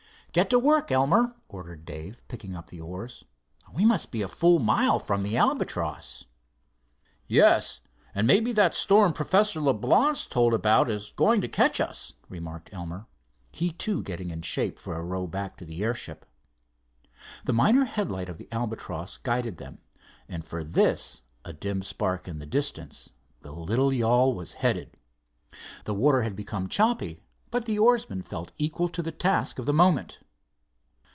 "Get to work, Elmer," ordered Dave, picking up the oars. "We must be a full mile from the Albatross." "Yes, and maybe that storm Professor Leblance told about is going to catch us," remarked Elmer, he too getting in shape for a row back to the airship. The minor headlight of the Albatross guided them, and for this, a dim spark in the distance, the little yawl was headed. The water had become choppy, but the oarsmen felt equal to the task of the moment.